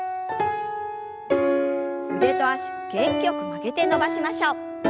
腕と脚元気よく曲げて伸ばしましょう。